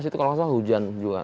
itu kalau nggak salah hujan juga